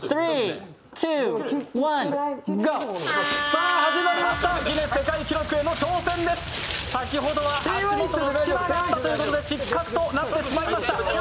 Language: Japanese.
さあ始まりました、ギネス世界記録への挑戦です、先ほどは足元に隙間があったということで失格となってしまいました。